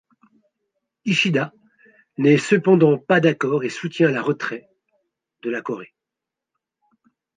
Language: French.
Ishida n'est cependant pas d'accord et soutient la retrait de la Corée.